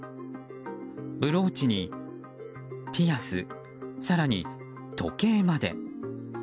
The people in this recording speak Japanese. ブローチにピアス更に、時計まで。